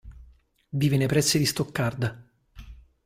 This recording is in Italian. Vive nei pressi di Stoccarda.